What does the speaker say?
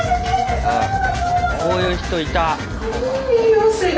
こういう人いた！